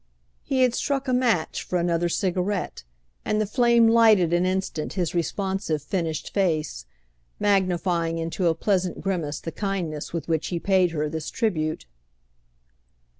He had struck a match for another cigarette, and the flame lighted an instant his responsive finished face, magnifying into a pleasant grimace the kindness with which he paid her this tribute.